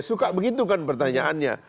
suka begitu kan pertanyaannya